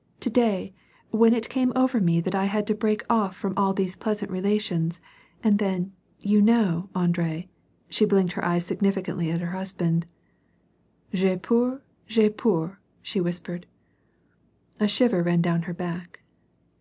" To day when it came over me that I had to break off from all these pleasant relations — and then, you know, Andre" — She blinked her eyes significantly at her husband. " tTai peur, fai2>eur" she whispered. A shiver ran down her back.